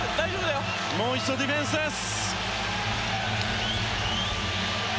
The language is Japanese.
もう一度ディフェンスです。